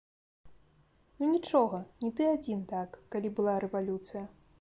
Ну нічога, не ты адзін так, калі была рэвалюцыя.